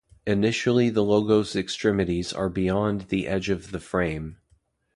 Initially the logo's extremities are beyond the edge of the frame.